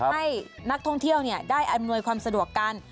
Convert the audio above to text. ให้นักท่องเที่ยวได้อำนวยความสะดวกกัน